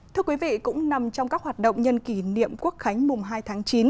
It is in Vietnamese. thưa quý vị cũng nằm trong các hoạt động nhân kỷ niệm quốc khánh mùng hai tháng chín